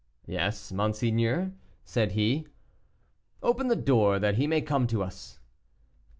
"Yes, monseigneur," said he. "Open the door that he may come to us."